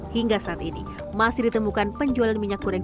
hingga saat ini masih ditemukan penjual minyak goreng